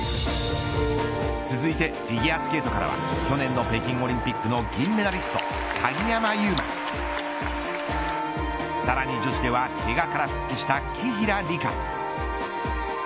続いてフィギュアスケートからは去年の北京オリンピックの銀メダリスト鍵山優真。さらに女子ではけがから復帰した紀平梨花。